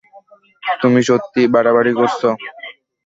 তুমি সত্যিই বাড়াবাড়ি করছো।